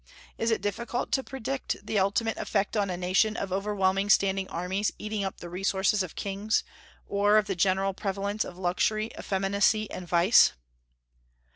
Is it difficult to predict the ultimate effect on a nation of overwhelming standing armies eating up the resources of kings, or of the general prevalence of luxury, effeminacy, and vice?